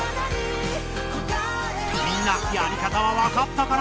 みんなやり方はわかったかな？